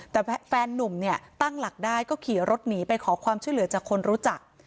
แต่แฟนนุ่มเนี่ยตั้งหลักได้ก็ขี่รถหนีไปขอความช่วยเหลือจากคนรู้จัก